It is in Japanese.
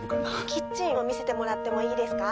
キッチンを見せてもらってもいいですか？